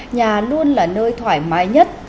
nhà luôn là nơi thuộc